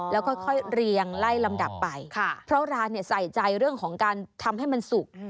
แล้วค่อยเรียงไล่ลำดับไปเพราะร้านใส่ใจเรื่องของการทำให้มันสุก